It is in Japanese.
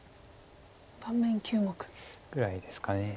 盤面９目。ぐらいですか。